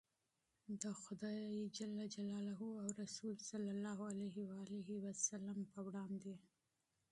د خدای او رسول په وړاندې.